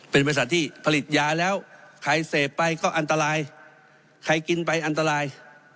เป็นบริษัทที่ผลิตยาแล้วใครเสพไปก็อันตรายใครกินไปอันตราย